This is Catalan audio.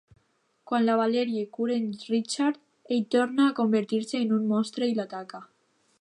Quan la Valerie cura en Richard, ell torna a convertir-se en un monstre i l'ataca.